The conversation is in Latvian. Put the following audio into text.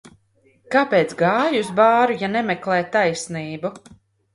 Kāpēc gāji uz bāru, ja nemeklē taisnību?